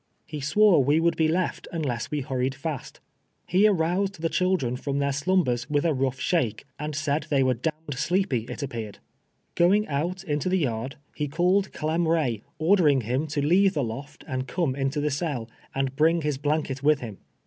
He swore we would be left unless we hurried fast. He aroused tlie chihlren from their slumbers v»ilii a rougli shake, and said tliey were d — d sleepy, it appeared. Going out into the yard, lie called Clem Ray, ordering him to leave the loft and come into the cell, and bring his blanket with him.